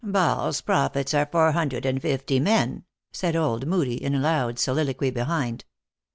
" Baal s prophets are four hundred and fifty men," said old Moodie, in loud soliloquy behind.